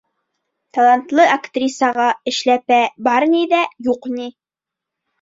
Талантлы актрисаға эшләпә бар ни ҙә, юҡ ни!